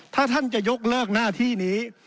ถ้าท่านจะยกเลิกหน้าที่นี้